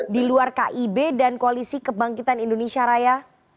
di luar kib dan koalisi kebangkitan indonesia raya